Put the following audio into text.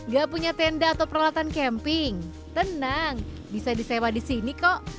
gak punya tenda atau peralatan camping tenang bisa disewa di sini kok